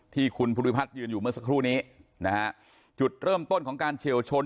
ที่คุณภูริพัฒน์ยืนอยู่เมื่อสักครู่นี้นะฮะจุดเริ่มต้นของการเฉียวชน